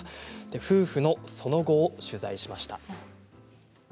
夫婦のその後を取材しました。